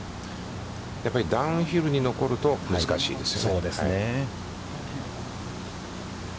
やっぱりダウンヒルに残ると、難しいですよね。